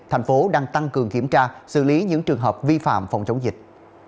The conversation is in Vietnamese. thành phố đang tăng cường kiểm tra xử lý những trường hợp vi phạm phòng chống dịch